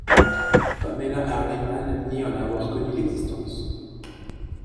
Pamela Harriman nie en avoir connu l'existence.